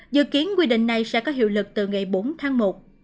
dự kiến quy định này sẽ có hiệu lực từ ngày bốn tháng một